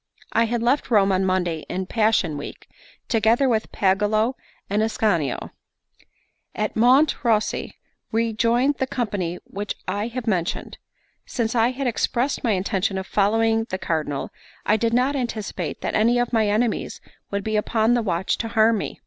I had left Rome on Monday in Passion Week, together with Pagolo and Ascanio. At Monte Ruosi we joined the company which I have mentioned. Since I had expressed my intention of following the Cardinal, I did not anticipate that any of my enemies would be upon the watch to harm me.